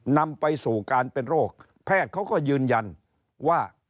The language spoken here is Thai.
นำไปสู่การเป็นโรคแพทย์เขาก็ยืนยันว่า